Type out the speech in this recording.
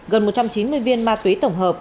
gần một trăm chín mươi viên ma túy tổng hợp